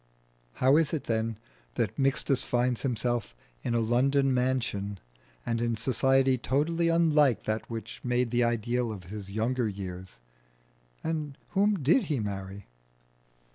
How is it that Mixtus finds himself in a London mansion, and in society totally unlike that which made the ideal of his younger years? And whom did he marry?